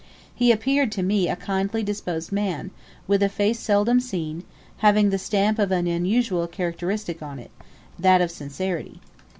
He appeared to me a kindly disposed man, with a face seldom seen, having the stamp of an unusual characteristic on it that of sincerity.